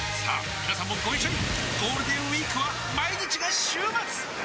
みなさんもご一緒にゴールデンウィークは毎日が週末！